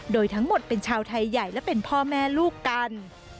โดยทั้งหมดเป็นชาวไทยใหญ่และเป็นพ่อแม่ลูกกัน